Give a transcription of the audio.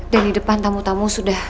dan di depan tamu tamu sudah